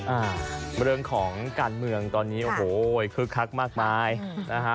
อ่าเรื่องของการเมืองตอนนี้โอ้โหคึกคักมากมายนะฮะ